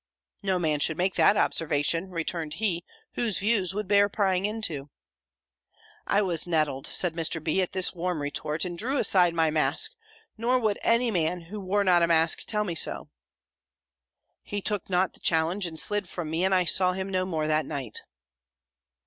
'" "No man should make that observation," returned he, "whose views would bear prying into." "I was nettled," said Mr. B., "at this warm retort, and drew aside my mask: 'Nor would any man, who wore not a mask, tell me so!' "He took not the challenge, and slid from me, and I saw him no more that night."